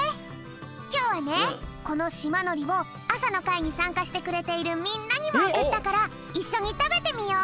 きょうはねこのしまのりをあさのかいにさんかしてくれているみんなにもおくったからいっしょにたべてみよう！